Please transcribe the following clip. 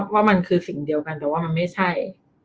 ว่ามันคือสิ่งเดียวกันแต่ว่ามันไม่ใช่